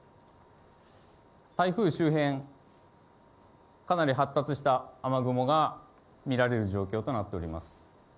台風周辺、かなり発達した雨雲が見られる状況となっております。